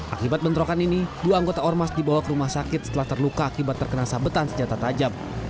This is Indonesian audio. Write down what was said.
akibat bentrokan ini dua anggota ormas dibawa ke rumah sakit setelah terluka akibat terkena sabetan senjata tajam